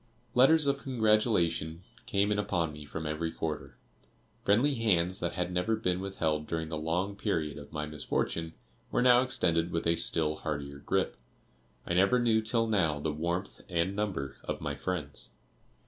Letters of congratulation came in upon me from every quarter. Friendly hands that had never been withheld during the long period of my misfortune were now extended with a still heartier grip. I never knew till now the warmth and number of my friends.